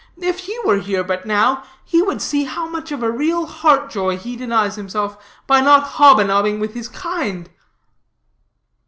If he were but here now, he would see how much of real heart joy he denies himself by not hob a nobbing with his kind."